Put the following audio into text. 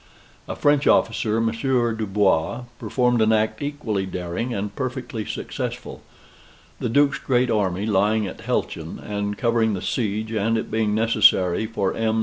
A French officer, Monsieur du Bois, performed an act equally daring, and perfectly successful. The Duke's great army lying at Helchin, and covering the siege, and it being necessary for M.